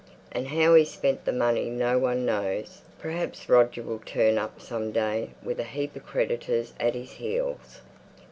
And how he's spent the money no one knows! Perhaps Roger will turn up some day with a heap of creditors at his heels.